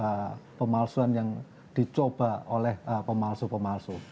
bagaimana kita bisa melihat uang palsu yang dicoba oleh pemalsu pemalsu